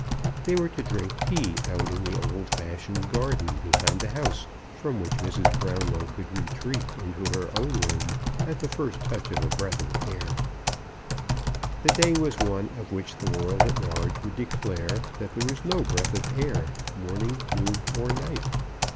They were to drink tea out in the old fashioned garden behind the house, from which Mrs. Brownlow could retreat into her own room at the first touch of a breath of air. The day was one of which the world at large would declare that there was no breath of air, morning, noon, or night.